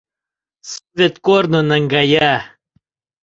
Совет корно наҥгая;